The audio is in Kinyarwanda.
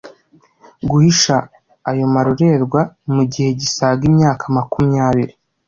guhisha ayo marorerwa mu gihe gisaga imyaka makumyabiri.